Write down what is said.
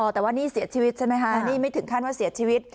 แต่ว่านี่เสียชีวิตใช่ไหมคะนี่ไม่ถึงขั้นว่าเสียชีวิต